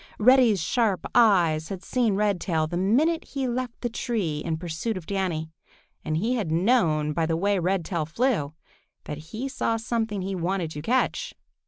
Reddy's sharp eyes had seen Redtail the minute he left the tree in pursuit of Danny, and he had known by the way Redtail flew that he saw something he wanted to catch.